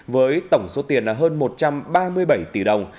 với tổng số tiền là hơn một trăm ba mươi bảy tỷ đồng